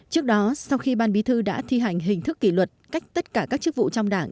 trước đó sau khi ban bí thư đã thi hành hình thức kỷ luật cách tất cả các chức vụ trong đảng